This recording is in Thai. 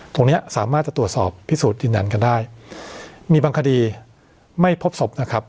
ตรงเนี้ยสามารถจะตรวจสอบพิสูจน์ยืนยันกันได้มีบางคดีไม่พบศพนะครับ